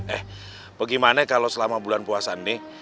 eh bagaimana kalo selama bulan puasa ini